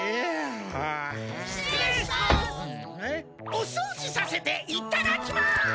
おそうじさせていただきます！